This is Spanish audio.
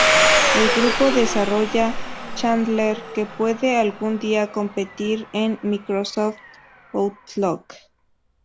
El grupo desarrolla "Chandler", que puede algún día competir con "Microsoft Outlook".